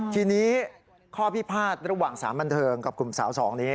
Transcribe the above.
ทีนี้ข้อพิพาทระหว่างสารบันเทิงกับกลุ่มสาวสองนี้